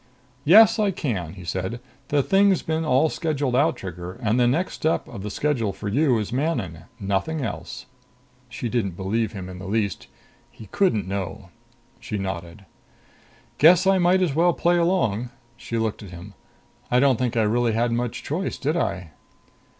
"Yes, I can," he said. "This thing's been all scheduled out, Trigger. And the next step of the schedule for you is Manon. Nothing else." She didn't believe him in the least. He couldn't know. She nodded. "Guess I might as well play along." She looked at him. "I don't think I really had much choice, did I?"